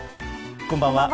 こんばんは。